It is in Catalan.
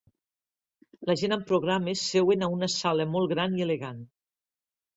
La gent amb programes seuen a una sala molt gran i elegant.